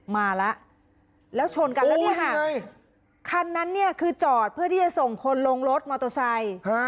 มาแล้วแล้วชนกันแล้วเนี่ยค่ะคันนั้นเนี่ยคือจอดเพื่อที่จะส่งคนลงรถมอเตอร์ไซค์